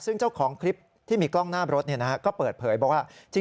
ซึ่งเจ้าของคลิปที่มีกล้องหน้ารถก็เปิดเผยบอกว่า